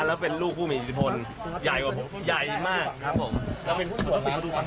แล้วเป็นลูกผู้หมีอิทธิพลใหญ่กว่าผมใหญ่มากครับผม